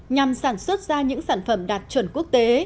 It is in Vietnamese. nhằm sản xuất ra những sản phẩm đạt chuẩn quốc tế